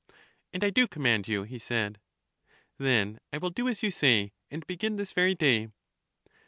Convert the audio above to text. And I do command you, he said. Then I will do as you say, and begin this very day.